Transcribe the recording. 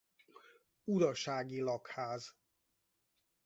Urasági lakház.